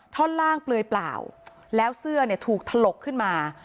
ท่อนล่างเปลือยเปล่าแล้วเสื้อเนี่ยถูกถลกขึ้นมา